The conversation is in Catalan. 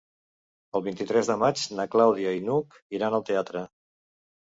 El vint-i-tres de maig na Clàudia i n'Hug iran al teatre.